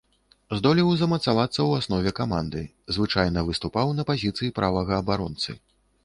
Здолеў замацавацца ў аснове каманды, звычайна выступаў на пазіцыі правага абаронцы.